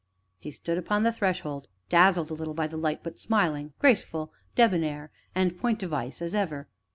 He stood upon the threshold, dazzled a little by the light, but smiling, graceful, debonair, and point device as ever.